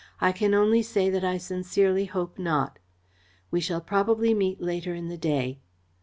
"I can only say that I sincerely hope not. We shall probably meet later in the day."